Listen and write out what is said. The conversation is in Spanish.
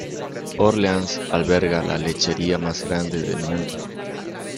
Orleans albergaba la lechería más grande del mundo.